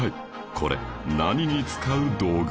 これ何に使う道具？